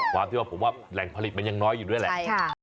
ความที่ว่าผมว่าแหล่งผลิตมันยังน้อยอยู่ด้วยแหละ